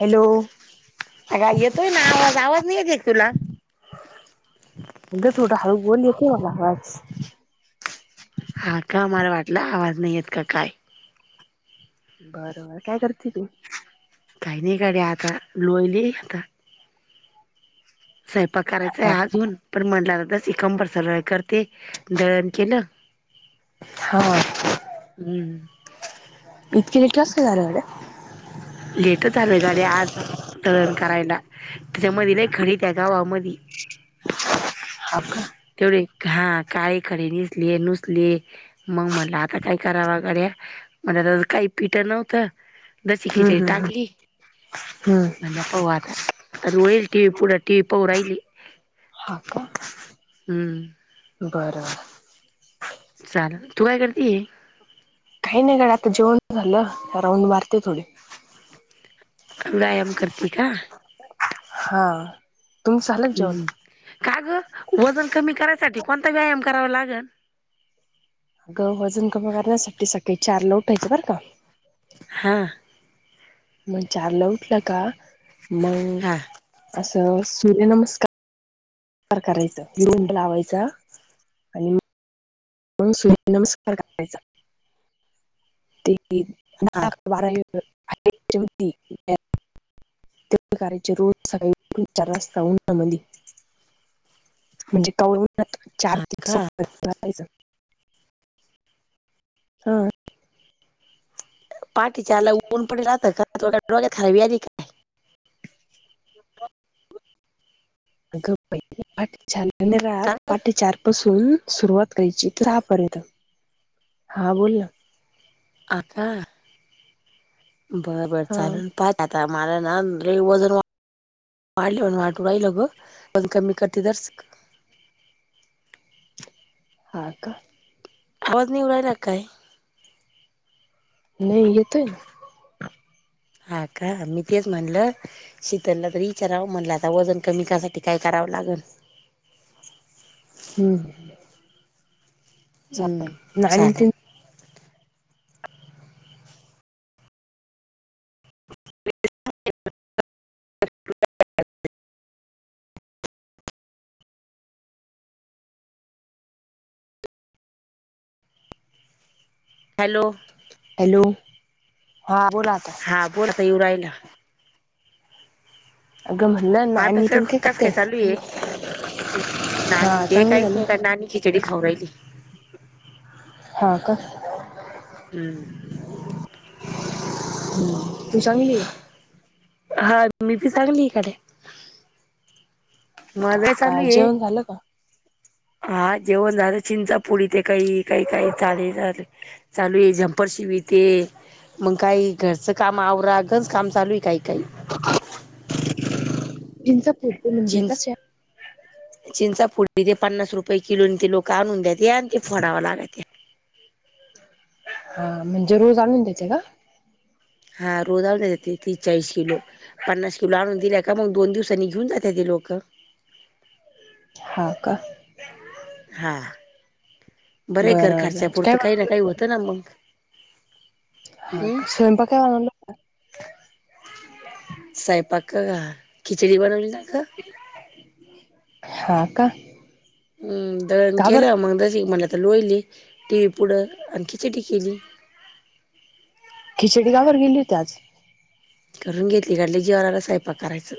Hello अग येतोय ना आवाज आवाज नाही येते ऐ तुला अग थोडंहळू बोल येते मला अवाज हा का मला वाटलं आवाज नाही येत का काय बरबर काय करते तू काही नाही गाडे आता लोळली सायंपाक करायचांय अजून पण म्हणला तस कंबर सरळ करते दळन केल हा हम इतके लेट कस काय झाल लेटच आलं गड्या आज दळन करायला, त्याच्यामध्ये लै खडी त्या गावामधी हाफ का. तेवढे, हा काळे खडे नेसले नुसले मग म्हणलं आता काय करावं गडया,, म्हणल काही पिठं नव्हतं दसी हम्म खिचडी हम्म हम्म टाकली, हम्म. म्हटल पाहु आता. हौल टी पुढे टी पाहु रायली [unintelligible] हा का. हम्म बरं चालल,, तू काय करतेय? काही नाही ग आता जेवण झालं,, राऊंड मारते थोडी. व्यायाम करते का? हां. हम्म,, का गं,, वजन कमी करायसाठी कोणता व्यायाम करावा लागनं? अगं वजन कमी करण्यासाठी सकाळी चार ऊठायचं बरं का हां. मग चारला उठलं का,, हा मग असं सूर्यनमस्कार करायचं,, रुंड लावायचा आणि मग सूर्यनमस्कार घालायचा, ते हा [unintelligible] ते करायचे, रोज सकाळी चार वास्ता उनामदी म्हणजे करनात चार ते का सररायचं [unintelligible] हा. पाहाटे चारला उन पडलं होतं का? थोडं डोक्यात हळवी आली काय. गप बाई,,, पहाटे चारला नै का राहत, पहाटे चार पासून. हम्म,, सुरुवात करायची राहा पर्यंत,, हा बोल ना. आता बर बर हा चालल, पात आता माझं ना लई वजन वा वाढल्यावाणी वाटू रायलं गं, वजन कमी करते जरसं हा का. आवाज नाही येऊ रायला का काय? नाही येतोय. हा का, मी तेच म्हणलं, शी तलला तर विचारावं म्हणलं आता वजन कमी कराय साठी काय करावं लागल. हम्म हम्म चालेल नानटीन [unintelligible] [unintelligible] हॅलो! हॅलो,, हा बोला आता. हा बोल का येवू राईला. अगं म्हणलं नाणी आतास, तीन कसं करते काय चालूए? नाणी हा ते चांगलं काहीच झालं नाही का नाणी खिचडी खाऊ राईली. हां का. हम्म. [inaudible] आहे हा मीबी सांगलीकडे हाय. का माझ ह हा का चालू ये. जेवण झालं का हा जेवण झालं चिंचापुडी ते काही काही काही चाले झाले. चालू आहे झंपर शिवीते मग काही घरचं काम आवराच काम चालू आहे काही काही चिंचापूर. चिंच. चिंचा फुडी ते पन्नास रुपये किलो आणि ते लोक आणून देते आणि ते फोडाव लागते. हा म्हणजे रोज आणून देत्या काय? हा रोज आणून देतात ते तीस-चाळीस किलो. पन्नास किलो आणून दिल्या का मग दोन दिवसानी घेऊन जात्याती लोकं. हा का. हा बरं आहे खर खर्च्या बर काय पुुरतं काही ना काही बनवलं होतं ना मग. हा हम्म स्वयंपाक काय बनवलं? स्वयंपाक खिचडी बनवली ना गं. हा का. हम् दळन का बर केल मग आता लोळालीये. टी व्ही पुढं आणखी चिटी केली. खिचडी का बरं केली होती आज. करून घेतली कारण लई जीवावर आलयं स्वयंपाक करायचं.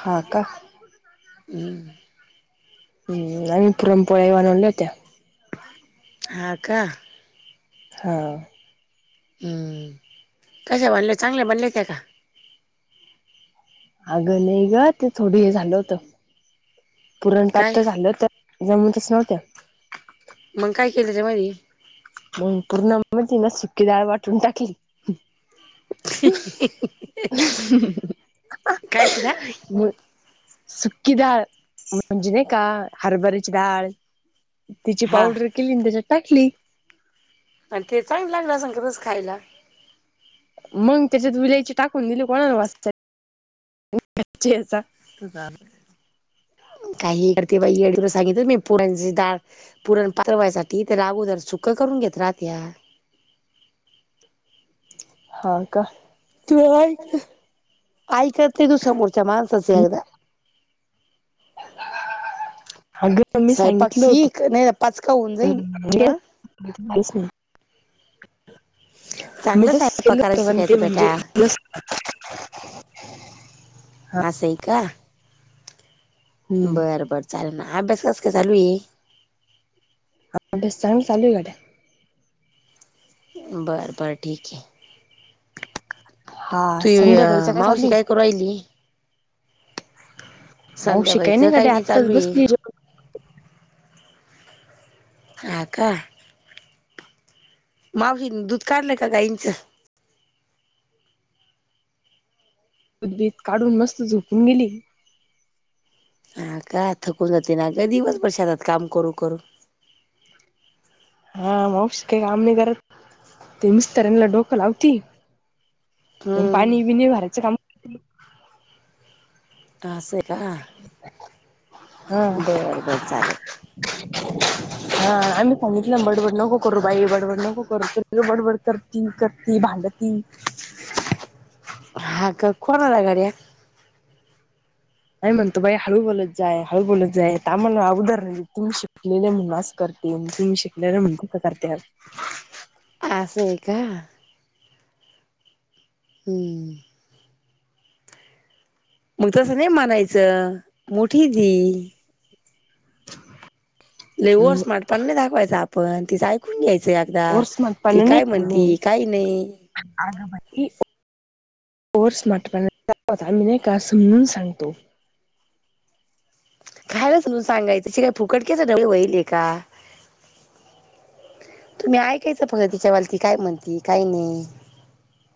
हा का. हम्म. हम्... नाही आम्ही पुरणपोळ्या बनवल्या होत्या. हा का. हा. हम्म.. कश्या बनल्या चांगल्या बनल्या ते का. अगं नाही गं ते थोडी हे झालं होत पुरण काय पातळ झालं होत. त्याचा मुळं तश्या होत्या. मग काय केलं त्यामधी. मग पूर्णामध्ये सुकीडाळ वाटून टाकली. कायची डाळ [inaudible] सुकी डाळ म्हणजे नाही का हरभऱ्याची डाळ. तिची हा पावडर केली आणि त्याच्यात टाकली. आणि ते चांगल लागलं असलं तसं खायला. मग त्याच्यात विलायची टाकून दिली कोणाला वास येतय कच्ची आहे डाळ. काही करते बाई येड्यागत सांगितलं मी पुरण ची डाळ पुरण पातळ व्हायसाठी ते आगोदर सुख करून घेत राहत्या. हा का. तू ऐकत नाही तू समोरच्या माणसाच एकदा. अगं मी स्वयंपाक सांगितलं होत. शिक नाही पाचका होऊन जाईन हा [unintelligible] [inaudible] मी चांगलं तसचं केल स्वयंपाक होतं करायला पण ते शिकायचं म्हणजे बेटा असायं का? हम्म बरं बरं चालेल ना. अभ्यास कसं काय चालूये? अभ्यास चांग चालूये आता. बरं बरं ठीक आहे. हा ते संध्याकाळीचा [unintelligible] मावशी चालू काय आहे करू राहिली? मावशी काही संध्याबाईचं नाही गड्या आत्ताच चालू आहे बसलीये जेवाय. हा का. मावशीन दुध काढल का गाईंचं? दूध बित काढून मस्त झोपून गेली. हा का थकून जाते ना का दिवसभर शेतात काम करून-करून. हा मावशी काय काम नाही करत, ते [unintelligible] डोक लावती [unintelligible] हम्म पाणी बिणी भरायच काम तर असं आहे? का हा बरं बरं चालेल. [unintelligible] हा आम्ही सांगितलं बडबड नको करू बाई, बडबड नको करू तर ती बडबड करती, करती भांडत ती. हा का. कोणा आलाय गडी [unintelligible] नाही म्हणतो बाई हळू बोलत जाय, हळू बोलत जाय थांब म्हणं [unintelligible] अगोदर तुम्ही शिकलेले म्हणून असं करते. तुम्ही शिकलेलं म्हणून तसं करत्यात. आसं आहे का? हम्म. मग तसं नाही मानायचं, मोठी आहे ती. लई ओव्हर हम्म, स्मार्टपणा नाही दाखवायचा आपण, तिचं ऐकून घ्यायचं एकदा ओव्हर स्मार्ट ती काय म्हणती, काय नाही. अगं बाई. ओव्हर स्मार्टपणा नाही दाखवत, आम्ही नाही का असं म्हणून सांगतो. खयालं तुम्ही सांगायचं, त्याचे काय फुकट केलं डवळे वईल आहे का? तुम्ही ऐकायचं फगं तिच्या वाल ती काय म्हणती, काय नाही.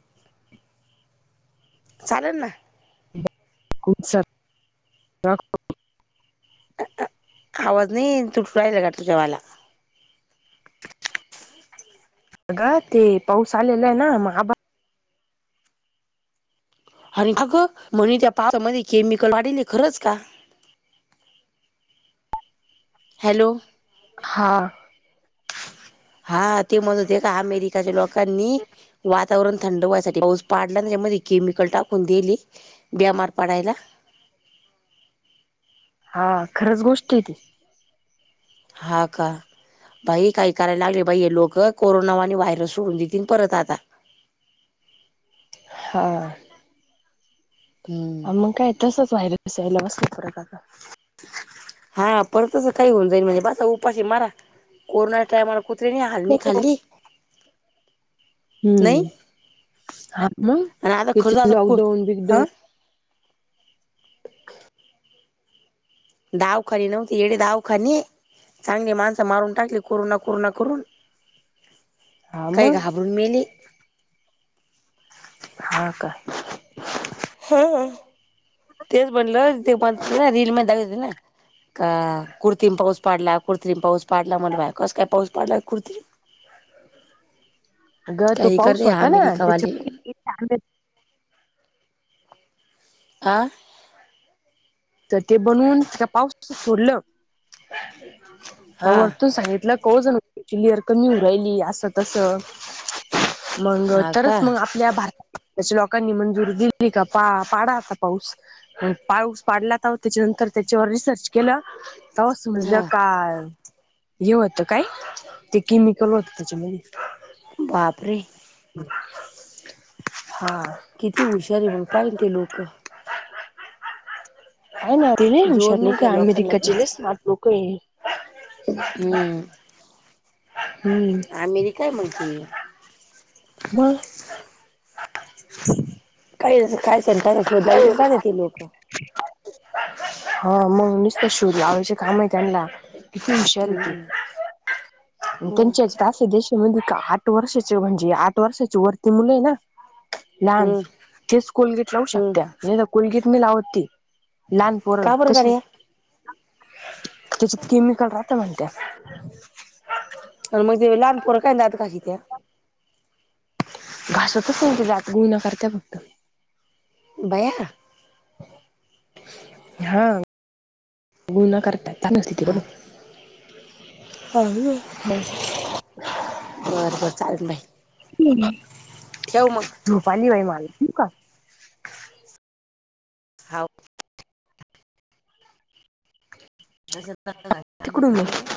[inaudible] चालंल ना. [unintelligible] अ आ आवाज नाही तुटू राहिला का तुझंवाला. अगं ते पाऊस आलेला आहे ना, म आबा आणि अगं म्हणे त्या पावसामध्ये केमिकल वाढीले, खरंच का? हॅलो? हा. हा, ते म्हणत होते का अमेरिकाच्या लोकांनी वातावरण थंड व्हायसाठी पाऊस पाडला, अन त्याच्यामध्ये केमिकल टाकून दिली. बिमार पडायला. हा, खरंच गोष्ट आहे ती. हा, का? बाई काही करायला लागले बाई हे लोकं, कोरोना वानी आणि व्हायरस सोडून देतील परत आता. हा. हम्म हां, मंग काय तसंच व्हायरस यायला बसलाय परत आता. हा, परत तसं काही होऊन जाईल म्हणजे बास आता उपाशी मरा, कोरोना टाइमाला कुत्र्यांनी हाल नाही खाल्ली. हम नाही हा मग. आणि आता खरंच त्याच्यात आता कु लॉकडाऊन बिकडाऊन. हं दावखाने नव्हती येडे दावखाने चांगली माणसं मारून टाकली कोरोना कोरोना करून हा काही मग घाबरून मेली. हा काय? हा. हा तेचं म्हणलं ते बघितल ना ना रीलमध्ये दाविती होते ना. का कृत्रिम पाऊस पाडला कृत्रीम पाऊस पाडला. म्हणला कस काय पाऊस पाडला कृत्रीम. अगं तो काही पाऊस करते होता ना त्याचे अमेरिकावाले कृत्रिम [unintelligible] आ तर ते बनवून त्या पाऊसात सोडलं आणि हा वरतून सांगितलं [inaudible] लेअर कमी होवू राहिली असं तसं. मंग हा तरच का म [inaudible] आपल्या भारताच्या लोकांनी मंजुरी दिली का पा पाडा आता पाऊस. पाऊस पाडला तवा त्याच्या नंतर त्याच्यावर रिसर्च केलं तवाच समजलं हा का हे होतं काय? ते केमिकल होतं त्याच्यामधी बापरे! हा. किती हुशार आहे बघ पाहिन ते लोकं. हाय ना ते लई जोड हुशार हाय. नाही ते त्या लोकांना अमेरिकाचे पण लई स्मार्ट लोकं आहे. हम्म हम अमेरीका हाय मग ते म काही आता काही दिसांनी काही शोध काढलं ती लोक [unintelligible] हा मग नुसतशोध लावायचे काम आहे त्यांना किती हुशार हायत हम्म ती मग त्याची अशी आशा देशामध्ये का आठ वर्षाचे म्हणजे वर्षाच्या वरती मुलं आहे ना लहान हम्म तेच कोलगेट लावू हम्म शकत्यात याला कोलगेट मी लावते लहान पोर का बरं तशी गाड्या त्याच्यात केमिकल राहत म्हणत्यात पण म ते लहान पोर काय दात घाशित्या घासतच नाही ते दात गुळण्या करतात फक्त बया हा गुळण्या करत्यात चालूच हाय की हा बोलो हा ना [unintelligible] बरं बरं चालन बाई [unintelligible] ठेव मग झोप आली बाई मला ठेवू का? हाव तसच करतो काय काम बीम तिकडून मग करतो ना